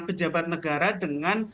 pejabat negara dengan